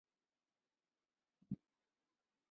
卡萨盖贝戈内人口变化图示